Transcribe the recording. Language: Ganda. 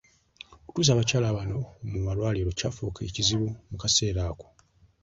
Okutuusa abakyala bano mu malwaliro kyafuuka ekizibu mu kaseera ako.